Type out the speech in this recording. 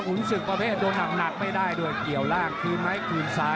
ศึกประเภทโดนหนักไม่ได้ด้วยเกี่ยวล่างคืนไหมคืนซ้าย